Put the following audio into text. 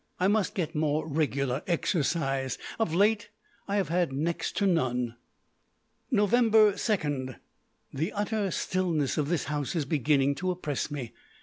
I must get more regular exercise. Of late I have had next to none. Nov. 2. The utter stillness of this house is beginning to oppress me.